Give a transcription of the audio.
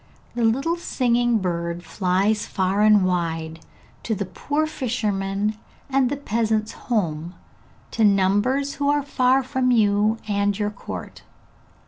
The little singing bird flies far and wide, to the poor fisherman, and the peasant's home, to numbers who are far from you and your court.